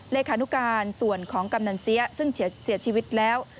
เลขานุการส่วนของกำนันเสียซึ่งเสียชีวิตแล้ว